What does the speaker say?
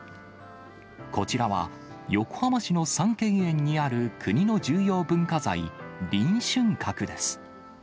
こちらは、横浜市の三溪園にある国の重要文化財、臨春閣です。